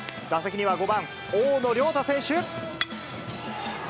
打席には５番大野良太選手。